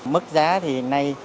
mức giá thì nay